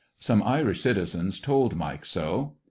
Some Irish citizens told Mike so.